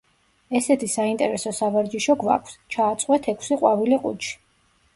ესეთი საინტერესო სავარჯიშო გვაქვს: ჩააწყვეთ ექვსი ყვავილი ყუთში.